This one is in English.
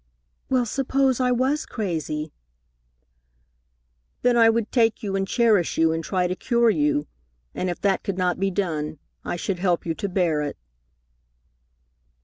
"Well, suppose I was crazy?" "Then I would take you and cherish you and try to cure you, and if that could not be done, I should help you to bear it."